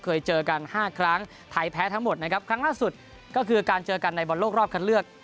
เคยเจอกันห้าครั้งไทยแพ้ทั้งหมดนะครับครั้งล่าสุดก็คือการเจอกันในบอลโลกรอบคันเลือก